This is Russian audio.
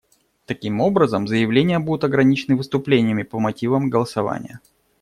Таким образом, заявления будут ограничены выступлениями по мотивам голосования.